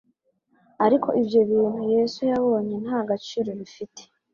Ariko ibyo bintu Yesu yabonye nta gaciro bifite.